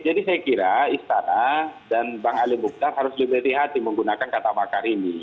jadi saya kira istara dan bang ali mohtar harus lebih berhati hati menggunakan kata makar ini